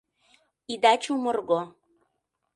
Ида чумырго...